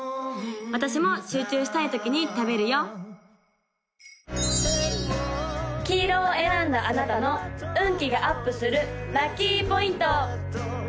私も集中したい時に食べるよ黄色を選んだあなたの運気がアップするラッキーポイント！